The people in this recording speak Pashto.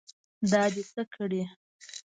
دا دې څه کړي.